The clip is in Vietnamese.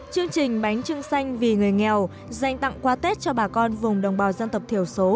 chương trình bánh trưng xanh vì người nghèo dành tặng quà tết cho bà con vùng đồng bào dân tộc thiểu số